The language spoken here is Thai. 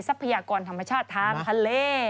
ทรัพยากรธรรมชาติธรรมภาเล